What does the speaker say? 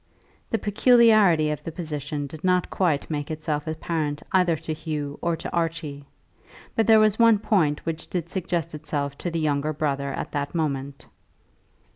The peculiarity of the position did not quite make itself apparent either to Hugh or to Archie; but there was one point which did suggest itself to the younger brother at that moment.